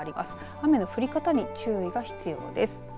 雨の降り方に注意が必要です。